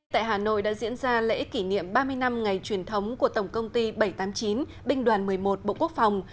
tại hà nội đã diễn ra lễ kỷ niệm ba mươi năm ngày truyền thống của tổng công ty bảy trăm tám mươi chín binh đoàn một mươi một bộ quốc phòng